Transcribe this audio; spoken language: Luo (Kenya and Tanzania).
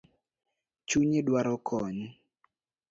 Chunyi dwaro kony